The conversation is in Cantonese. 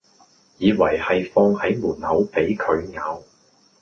以為係放喺門口俾佢咬